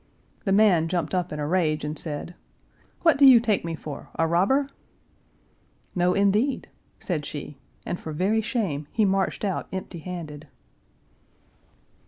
The man jumped up in a rage, and said, "What do you take me for a robber?" "No, indeed," said she, and for very shame he marched out empty handed.